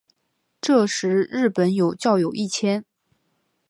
这时日本有教友一千。